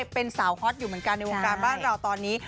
เป็นสาวฮอตอยู่เหมือนกันในวงการบ้านเราตอนนี้